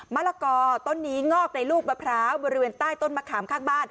มะละกอต้นนี้งอกในลูกมะพร้าวบริเวณใต้ต้นมะขามข้างบ้าน